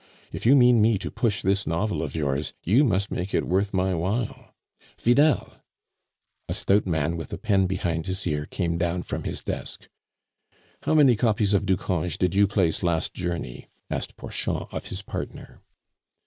If you mean me to push this novel of yours, you must make it worth my while. Vidal!" A stout man, with a pen behind his ear, came down from his desk. "How many copies of Ducange did you place last journey?" asked Porchon of his partner.